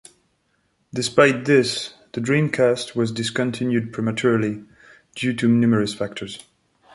Despite this, the Dreamcast was discontinued prematurely due to numerous factors.